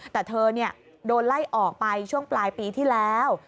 แต่เธอโดนไล่ออกไปช่วงปลายปีที่แล้ว